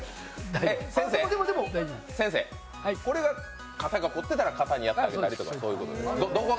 これが、肩が凝ってたら肩をやってあげたりということですね。